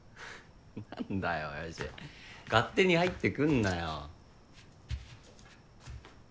なんだよ親父勝手に入ってくんなよ。